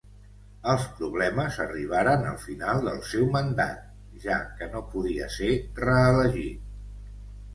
Els problemes arribaren al final del seu mandat, ja que no podia ser reelegit.